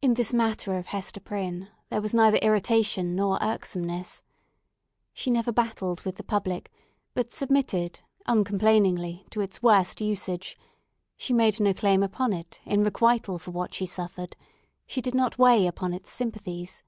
In this matter of Hester Prynne there was neither irritation nor irksomeness. She never battled with the public, but submitted uncomplainingly to its worst usage; she made no claim upon it in requital for what she suffered; she did not weigh upon its sympathies.